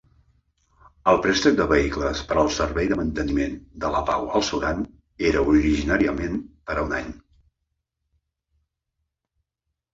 El préstec de vehicles per al servei de manteniment de la pau al Sudan era originalment per a un any.